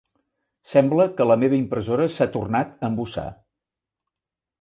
Sembla que la meva impressora s'ha tornat a embussar.